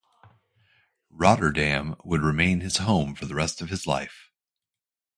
Rotterdam would remain his home for the rest of his life.